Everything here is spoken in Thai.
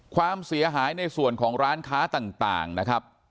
ความเสียหายในส่วนของร้านค้าต่างนะครับ